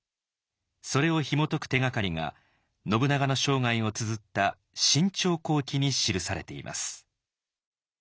それをひもとく手がかりが信長の生涯をつづった「信長公記」に記されています。